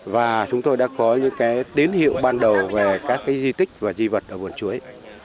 và chúng tôi đã có những tín hiệu ban đầu về các di tích và di vật ở vườn chuối